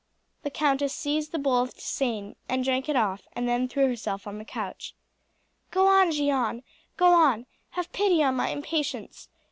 The countess seized the bowl of tisane and drank it off, and then threw herself on the couch. "Go on, Jeanne, go on. Have pity on my impatience.